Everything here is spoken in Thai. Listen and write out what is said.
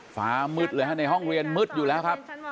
ฟ้ามืดเลยฮะในห้องเรียนมืดอยู่แล้วครับ